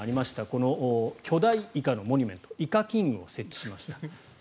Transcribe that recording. この巨大イカのモニュメントイカキングを設置しました。